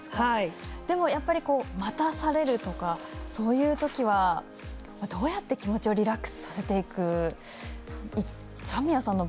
でも、やっぱり待たされるとかそういうときはどうやって気持ちをリラックスさせていくんでしょうか。